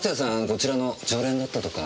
こちらの常連だったとか。